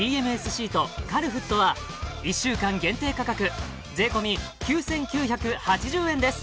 シートカルフットは１週間限定価格税込み９９８０円です